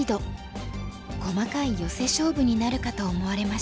細かいヨセ勝負になるかと思われました。